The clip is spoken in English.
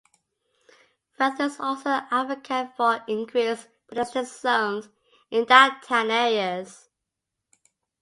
Furth is also an advocate for increased pedestrian zones in downtown areas.